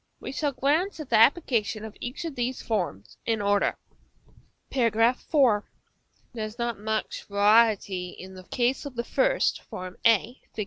We shall glance at the applications of each of these forms in order. § IV. There is not much variety in the case of the first, a, Fig.